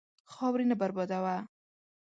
خاورې نه بربادوه.